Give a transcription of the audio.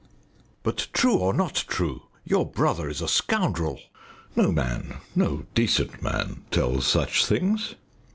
"But true or not true, your brother is a scoundrel. No man no decent man tells such things."